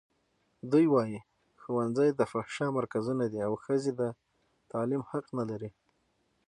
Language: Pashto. دوی وايي ښوونځي د فحشا مرکزونه دي او ښځې د تعلیم حق نه لري.